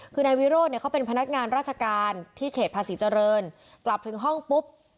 คือนายวิโรธเนี่ยเขาเป็นพนักงานราชการที่เขตภาษีเจริญกลับถึงห้องปุ๊บ